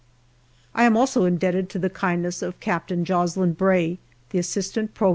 I am also indebted to the kindness of Captain Jocelyn Bray, the A. P.M.